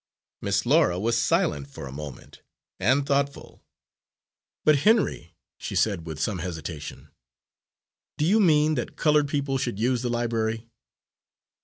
Miss Laura was silent for a moment, and thoughtful. "But, Henry," she said with some hesitation, "do you mean that coloured people should use the library?"